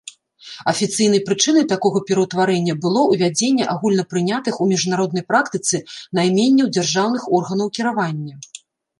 Афіцыйнай прычынай такога пераўтварэння было ўвядзенне агульнапрынятых у міжнароднай практыцы найменняў дзяржаўных органаў кіравання.